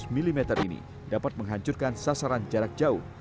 seratus mm ini dapat menghancurkan sasaran jarak jauh